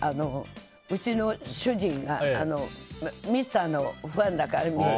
うちの主人がミサのファンだから。